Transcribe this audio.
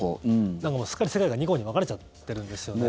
だからもうすっかり世界が２個に分かれちゃってるんですよね。